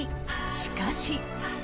しかし。